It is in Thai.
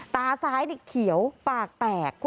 ตาซ้ายนี่เขียวปากแตก